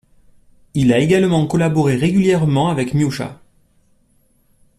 Il a également collaboré régulièrement avec Miúcha.